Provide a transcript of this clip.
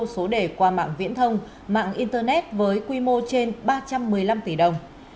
số đề qua mạng viễn thông mạng internet với quy mô trên ba trăm một mươi năm tỷ đồng